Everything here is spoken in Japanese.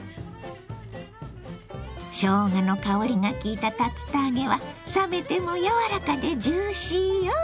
しょうがの香りがきいた竜田揚げは冷めても柔らかでジューシーよ。